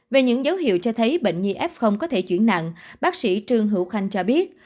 về những dấu hiệu cho thấy bệnh nhi f có thể chuyển nặng bác sĩ trương hữu khanh cho biết